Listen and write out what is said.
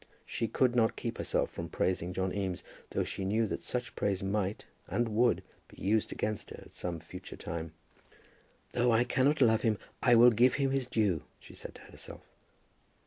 She could not keep herself from praising John Eames, though she knew that such praise might, and would, be used against her at some future time. "Though I cannot love him I will give him his due," she said to herself.